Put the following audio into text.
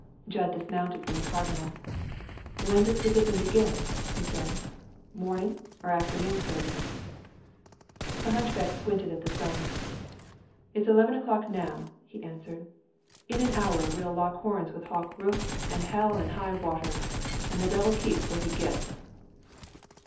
Jud dismounted from the Cardinal. "When does the dippin' begin?" he said. "Mornin' or afternoon service?" The hunchback squinted at the sun. "It's eleven o'clock now," he answered. "In an hour we'll lock horns with Hawk Rufe an' hell an' high water, an' the devil keeps what he gits."